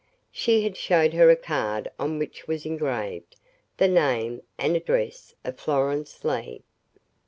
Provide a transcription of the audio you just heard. She had showed her a card on which was engraved, the name and address of Florence Leigh.